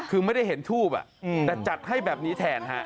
คือไม่ได้เห็นทูบแต่จัดให้แบบนี้แทนฮะ